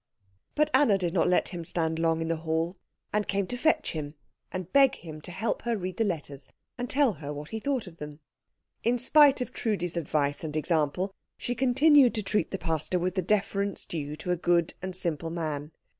But Anna did not let him stand long in the hall, and came to fetch him and beg him to help her read the letters and tell her what he thought of them. In spite of Trudi's advice and example she continued to treat the pastor with the deference due to a good and simple man.